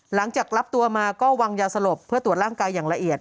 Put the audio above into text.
หลังจากรับตัวมาก็วางยาสลบเพื่อตรวจร่างกายอย่างละเอียด